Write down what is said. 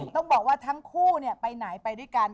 ต้องบอกว่าทั้งคู่ไปไหนไปด้วยกัน